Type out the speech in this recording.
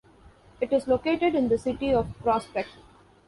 It is located in the City of Prospect.